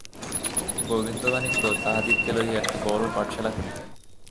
গোবিন্দমাণিক্য তাহাদিগকে লইয়া একটা বড়ো পাঠশালা খুলিলেন।